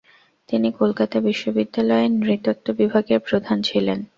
তিনি কলকাতা বিশ্ববিদ্যালয়ের নৃতত্ত্ব বিভাগের প্রধান ছিলেন।